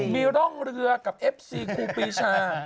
มีร่องเรือกับเอฟซีครูปีชา